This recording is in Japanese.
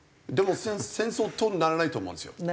でも戦争とならないと思うんですよ。